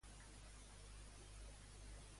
Durant les diumenjades hi ha menys fressa?